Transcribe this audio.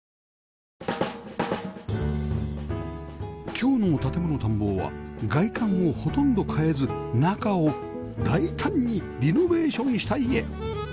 今日の『建もの探訪』は外観をほとんど変えず中を大胆にリノベーションした家